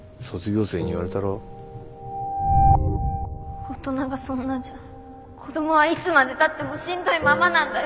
大人がそんなじゃ子供はいつまでたってもしんどいままなんだよ。